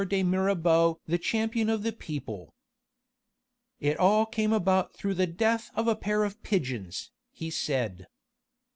de Mirabeau the champion of the people. "It all came about through the death of a pair of pigeons," he said.